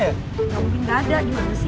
gak mungkin gak ada gimana sih